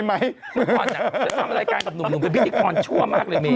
เมื่อก่อนจะทำรายการกับหนุ่มเป็นพิธีกรชั่วมากเลยเม